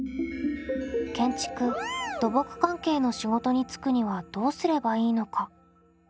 建築・土木関係の仕事に就くにはどうすればいいのか？